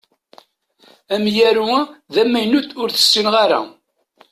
Amyaru-a d amaynut ur t-ssineɣ ara.